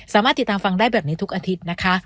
สามารถติดตามฟังได้แบบนี้ทุกอาทิตย์นะคะ